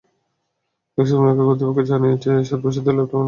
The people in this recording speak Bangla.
এক্সপো মেকার কর্তৃপক্ষ জানিয়েছে, সাত বছর ধরে ল্যাপটপ মেলার আয়োজন করা হচ্ছে।